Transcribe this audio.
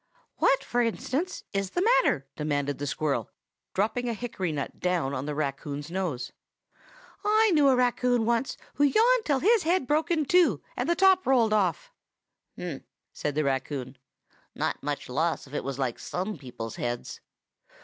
"What, for instance, is the matter?" demanded the squirrel, dropping a hickory nut down on the raccoon's nose. "I knew a raccoon once who yawned till his head broke in two, and the top rolled off." "Hm!" said the raccoon. "Not much loss if it was like some people's heads.